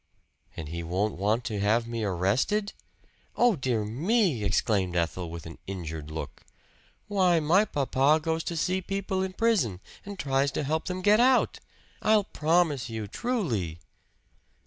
"And he won't want to have me arrested?" "Oh, dear me!" exclaimed Ethel with an injured look. "Why, my papa goes to see people in prison, and tries to help them get out! I'll promise you, truly."